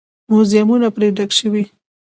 موزیمونه پرې ډک شوي دي.